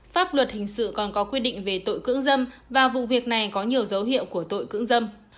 pháp luật hình sự còn có quy định về tội cưỡng dâm và vụ việc này có nhiều dấu hiệu của tội cưỡng dâm